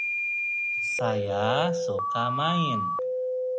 President of the company was John P. Grace, former mayor of Charleston.